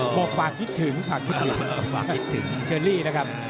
โบกฝากคิดถึงกับเชอรรี่นะครับ